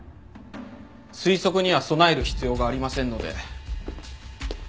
推測には備える必要がありませんので。